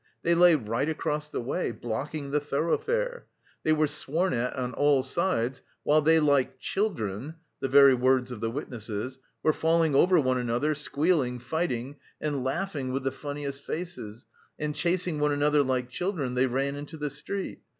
They lay right across the way, blocking the thoroughfare. They were sworn at on all sides while they 'like children' (the very words of the witnesses) were falling over one another, squealing, fighting and laughing with the funniest faces, and, chasing one another like children, they ran into the street.